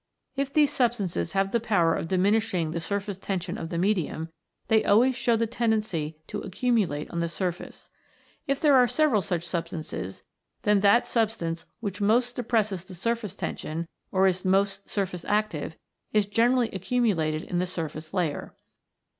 If these substances have the power of diminishing the surface tension of the medium, they always show the tendency to accumulate on the surface. If there are several such substances, then that substance which most depresses the surface tension, or is most surface active, is generally accumulated in the surface layer.